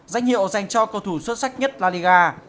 danh hiệu dành cho cầu thủ xuất sắc nhất la liga